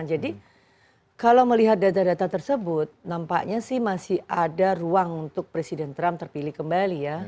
jadi kalau melihat data data tersebut nampaknya sih masih ada ruang untuk presiden trump terpilih kembali ya